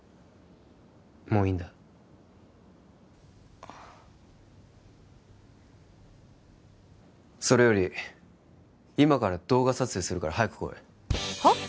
もういいんだそれより今から動画撮影するから早く来いはっ？